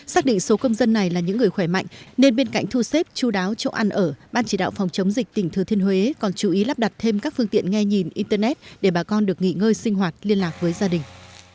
xác định số công dân này là những người khỏe mạnh nên bên cạnh thu xếp chú đáo chỗ ăn ở ban chỉ đạo phòng chống dịch tỉnh thừa thiên huế còn chú ý lắp đặt thêm các phương tiện nghe nhìn internet để bà con được nghỉ ngơi sinh hoạt liên lạc với gia đình